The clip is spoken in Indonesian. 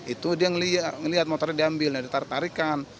itu dia melihat motornya diambil ditarik tarikan